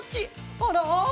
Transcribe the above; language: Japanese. あら？